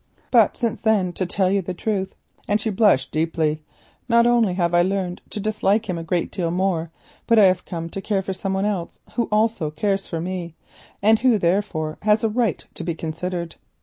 But since then, to tell you the truth," and she blushed deeply, "not only have I learned to dislike him a great deal more, but I have come to care for some one else who also cares for me, and who therefore has a right to be considered.